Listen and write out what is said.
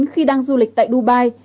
khi đang du lịch tại dubai